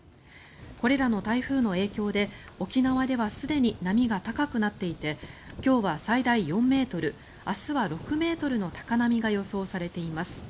これらの台風の影響で沖縄ではすでに波が高くなっていて今日は最大４ｍ明日は６ｍの高波が予想されています。